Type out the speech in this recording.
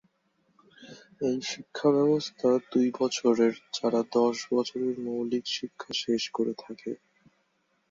এই শিক্ষা ব্যবস্থা দুই বছরের যারা দশ বছরের মৌলিক শিক্ষা শেষ করে থাকে।